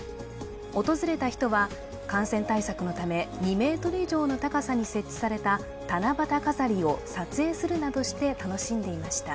訪れた人は感染対策のため、２ｍ以上の高さに設置された七夕飾りを撮影するなどして楽しんでいました。